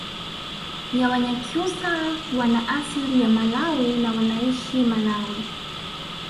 ya wanyakyusa wana asili ya malawi na wnaishi malawi